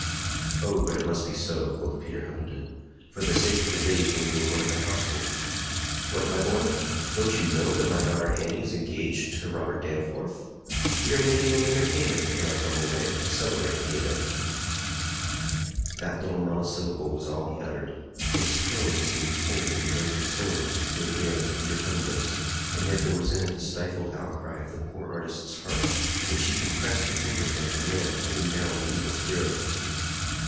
"Oh, but it must be so," quoth Peter Hovenden, "for the sake of the days when you were one of the household. What, my boy! don't you know that my daughter Annie is engaged to Robert Danforth? We are making an entertainment, in our humble way, to celebrate the event." That little monosyllable was all he uttered; its tone seemed cold and unconcerned to an ear like Peter Hovenden's; and yet there was in it the stifled outcry of the poor artist's heart, which he compressed within him like a man holding down an evil spirit.